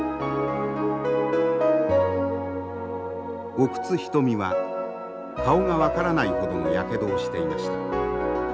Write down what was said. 奥津牟は顔が分からないほどのやけどをしていました。